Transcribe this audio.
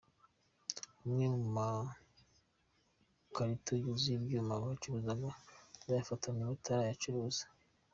Amwe mu makarito yuzuye ibyuma bacuruzaga, bayafatanywe batarayacuruza.